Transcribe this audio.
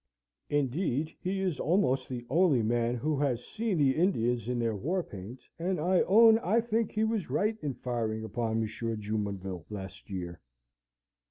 Indeed, he is almost the only man who has seen the Indians in their war paint, and I own I think he was right in firing upon Mons. Jumonville last year.